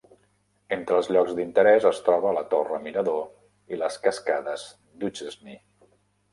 Entre els llocs d'interès es troba la torre mirador i les cascades Duchesnay.